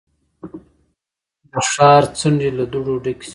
د ښار څنډې له دوړو ډکې شوې.